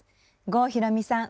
郷ひろみさん